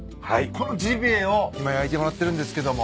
このジビエを今焼いてもらってるんですけども。